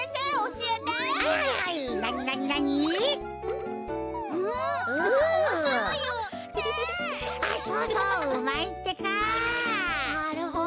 なるほど。